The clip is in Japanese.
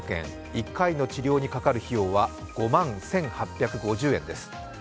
１回の治療にかかる費用は５万１８５０円です。